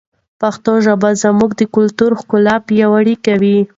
پښتو ژبه زموږ د کلتور ښکلا پیاوړې کوي.